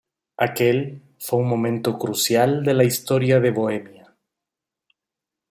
Aquel fue un momento crucial de la historia de Bohemia.